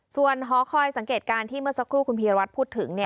ส่วนหอคอยสังเกตการณ์ที่เมื่อสักครู่คุณพีรวัตรพูดถึง